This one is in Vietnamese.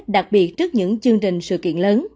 đặc biệt trước những chương trình sự kiện lớn